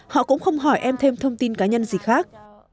họ cũng không hỏi em thêm thông tin cá nhân gì khác